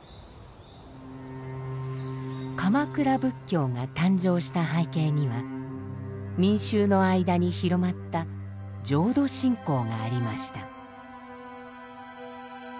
鎌倉仏教が誕生した背景には民衆の間に広まった浄土信仰がありました。